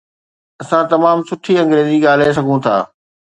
اسان تمام سٺي انگريزي ڳالهائي سگهون ٿا